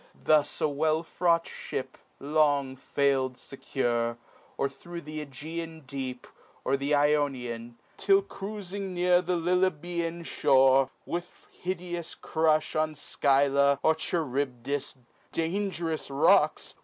Thus a well fraught fhip Long fail'd fecure, or thro' th' ^Egean deep, Or the Ionian, till cruifmg near The Lilybean (liore, with hideous crufli On Scvlla, or Charibdis (dang'rous rocks